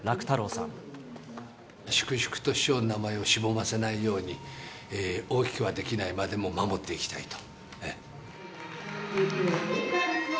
粛々と師匠の名前をしぼませないように、大きくはできないまでも守っていきたいと。